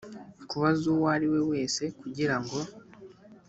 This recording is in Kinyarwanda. kubaza uwo ari we wese kugira ngo